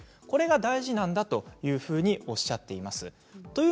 これが大事なんだというふうにおっしゃっています。